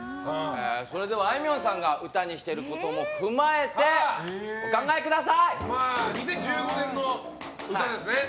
それでは、あいみょんさんが歌にしていることも踏まえて２０１５年の歌ですね。